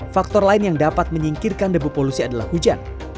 faktor lain yang dapat menyingkirkan debu polusi adalah hujan